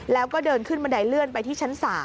แล้วก็เดินขึ้นบันไดเลื่อนไปที่ชั้น๓